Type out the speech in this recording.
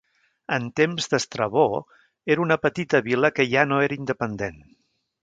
En temps d'Estrabó era una petita vila que ja no era independent.